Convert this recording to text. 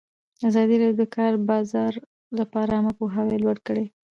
ازادي راډیو د د کار بازار لپاره عامه پوهاوي لوړ کړی.